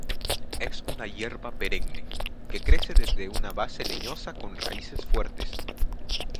Es una hierba perenne que crece desde una base leñosa con raíces fuertes.